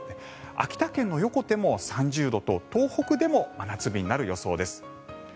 秋田県の横手も３０度と東北でも真夏日になる予想です。